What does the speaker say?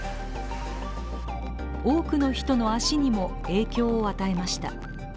多くの人の足にも影響を与えました。